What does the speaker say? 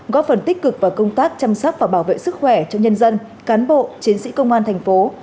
góp phần tích cực vào công tác chăm sóc và bảo vệ sức khỏe cho nhân dân cán bộ chiến sĩ công an thành phố